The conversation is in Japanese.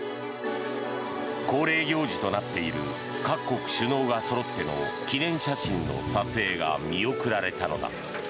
恒例行事となっている各国首脳がそろっての記念写真の撮影が見送られたのだ。